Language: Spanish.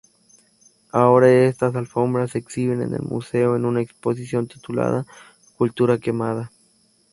Ahora estas alfombras se exhiben en el museo en una exposición titulada "Cultura Quemada".